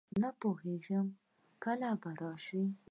نه پوهېږم کله به راشي.